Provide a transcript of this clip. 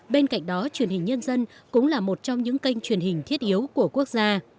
bên cạnh đó truyền hình nhân dân cũng là một trong những kênh truyền hình thiết yếu của quốc gia